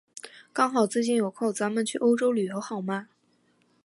刚好最近有空，咱们去欧洲旅游好吗？